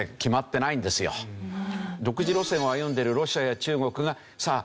独自路線を歩んでるロシアや中国がさあ